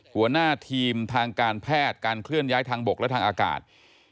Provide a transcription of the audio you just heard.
หัวหน้าทีมทางการแพทย์การเคลื่อนย้ายทางบกและทางอากาศ